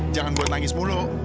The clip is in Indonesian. jangan buat nangis mulu